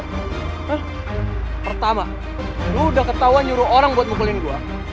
hah pertama lo udah ketawa nyuruh orang buat mukulin gua